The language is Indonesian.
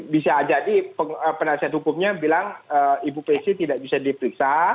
bisa jadi penasihat hukumnya bilang ibu pc tidak bisa diperiksa